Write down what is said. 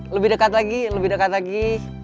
lebih dekat lagi lebih dekat lagi